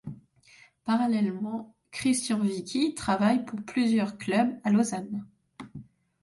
Parallèlement, Christian Wicky travaille pour plusieurs clubs à Lausanne.